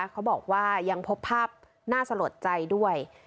เขาบอกว่ายังพบภาพน่าสลดใจด้วย